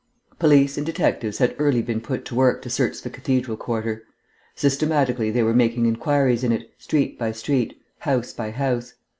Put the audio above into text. Police and detectives had early been put to work to search the cathedral quarter. Systematically they were making inquiries in it, street by street, house by house.